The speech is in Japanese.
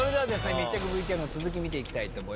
密着ＶＴＲの続き見ていきたいと思います。